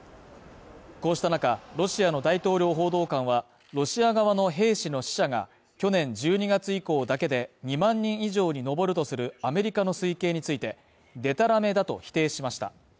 こうした中、ロシアの大統領報道官はロシア側の兵士の死者が去年１２月以降だけで２万人以上に上るとするアメリカの推計についてでたらめだと否定しました。